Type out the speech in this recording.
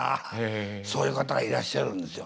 そういう方がいらっしゃるんですよ。